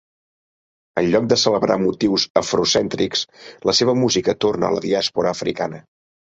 En lloc de celebrar motius afrocèntrics, la seva música torna a la diàspora africana.